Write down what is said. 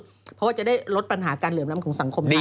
เพราะว่าจะได้ลดปัญหาการเหลื่อมล้ำของสังคมได้